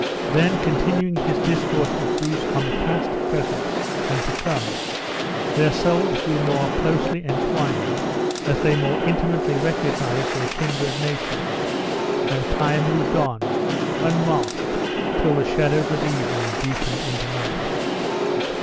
Then continuing his discourse with Bruce on the past, present, and to come, their souls grew more closely entwined as they more intimately recognized their kindred natures; and time moved on, unmarked, till the shadows of evening deepened into night.